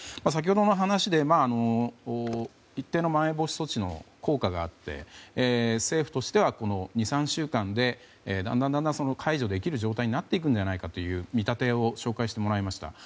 先ほどの話で一定のまん延防止措置の効果があって政府としてはこの２３週間でだんだん解除できる状態になっていくのではないかという見立てを紹介してもらいました。